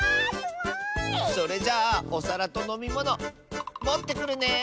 それじゃあおさらとのみものもってくるね！